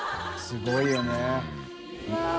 すごいよね。